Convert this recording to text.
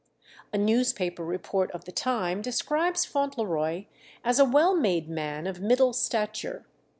A newspaper report of the time describes Fauntleroy as "a well made man of middle stature.